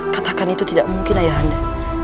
katakan itu tidak mungkin ayanda